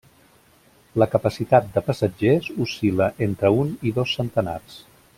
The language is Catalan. La capacitat de passatgers oscil·la entre un i dos centenars.